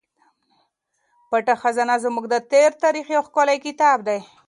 پټه خزانه زموږ د تېر تاریخ یو ښکلی کتاب دی.